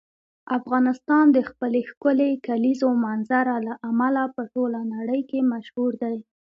افغانستان د خپلې ښکلې کلیزو منظره له امله په ټوله نړۍ کې مشهور دی.